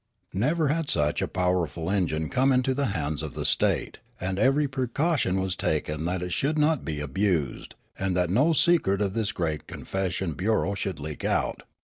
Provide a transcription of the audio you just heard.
Never had such a powerful engine come into the hands of the state ; and every precaution was taken that it should not be abused and that no secret of this great confession bureau should leak out.